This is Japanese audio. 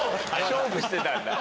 勝負してたんだ。